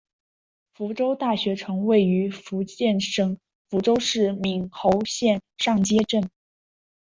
福州大学城位于福建省福州市闽侯县上街镇。